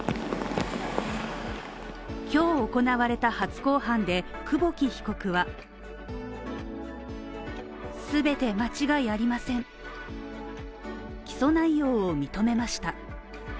今日行われた初公判で久保木被告は起訴内容を認めました。